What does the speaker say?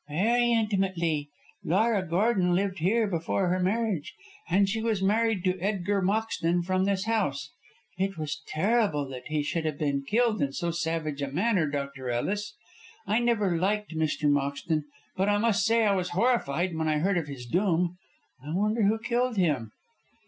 "Very intimately. Laura Gordon lived here before her marriage, and she was married to Edgar Moxton from this house. It was terrible that he should have been killed in so savage a manner, Dr. Ellis. I never liked Mr. Moxton; but I must say I was horrified when I heard of his doom. I wonder who killed him?"